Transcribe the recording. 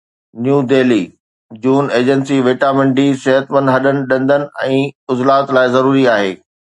نيو دهلي جون agency vitamin D صحتمند هڏن، ڏندن ۽ عضلات لاءِ ضروري آهي